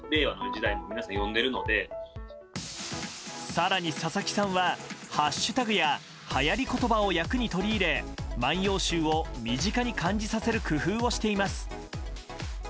更に佐々木さんはハッシュタグやはやり言葉を訳に取り入れ「万葉集」を身近に感じさせる工夫をしています。